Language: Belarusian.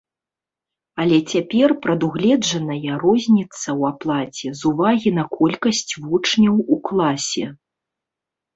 Але цяпер прадугледжаная розніца ў аплаце з увагі на колькасць вучняў у класе.